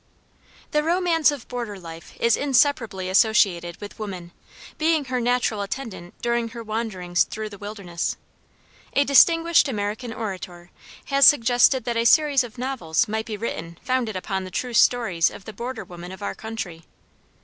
The romance of border life is inseparably associated with woman, being her natural attendant during her wanderings through the wilderness. A distinguished American orator has suggested that a series of novels might be written founded upon the true stories of the border women of our country.